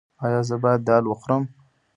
ایا زه باید دال وخورم؟